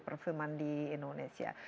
perfilman di indonesia